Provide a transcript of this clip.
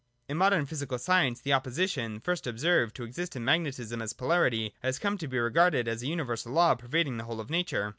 In modern physical science the opposition, first observed to exist in magnetism as polarity, has come to be regarded as a universal law pervading the whole of nature.